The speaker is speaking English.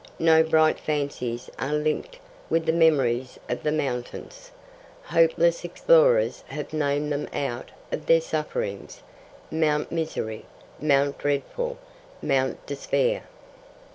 No bright fancies are linked with the memories of the mountains. Hopeless explorers have named them out of their sufferings Mount Misery, Mount Dreadful, Mount Despair.